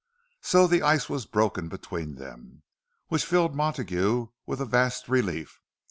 So the ice was broken between them; which filled Montague with a vast relief.